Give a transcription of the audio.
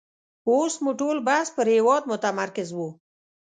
اوس مو ټول بحث پر هېواد متمرکز وو.